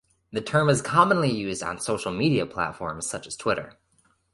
The term is commonly used on social media platforms such as Twitter.